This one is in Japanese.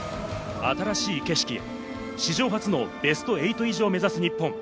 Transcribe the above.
新しい景色へ、史上初のベスト８以上を目指す日本。